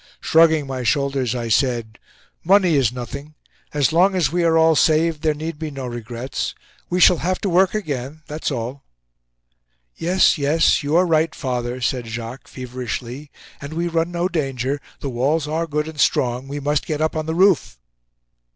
Shrugging my shoulders, I said: "Money is nothing. As long as we are all saved, there need be no regrets. We shall have to work again—that is all!" "Yes, yes; you are right, father," said Jacques, feverishly. "And we run no danger—the walls are good and strong. We must get up on the roof."